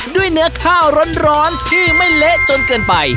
ด้วยเนื้อข้าวร้อนที่ไม่เละจนเกินไป